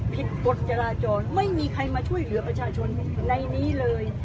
กฎจราจรไม่มีใครมาช่วยเหลือประชาชนในนี้เลย